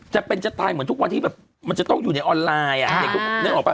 จะตายเหมือนทุกวันที่มันจะต้องอยู่ในออนไลน์